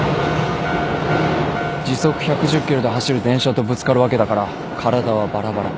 時速１１０キロで走る電車とぶつかるわけだから体はばらばら。